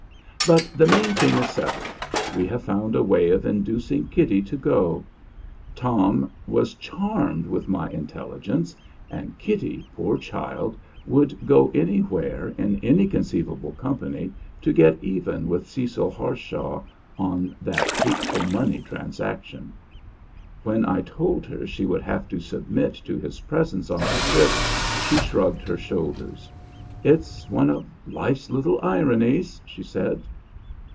But the main thing is settled; we have found a way of inducing Kitty to go. Tom was charmed with my intelligence, and Kitty, poor child, would go anywhere, in any conceivable company, to get even with Cecil Harshaw on that hateful money transaction. When I told her she would have to submit to his presence on the trip, she shrugged her shoulders. "It's one of 'life's little ironies,'" she said.